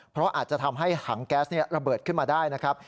เพราะอาจจะทำให้ถังแก๊สระเบิดขึ้นมาได้นะครับ